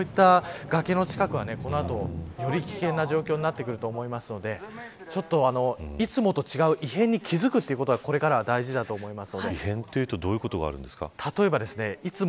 そういった崖の近くはこの後、より危険な状況になってくると思うのでいつもと違う異変に気付くということがこれからは大事だと思います。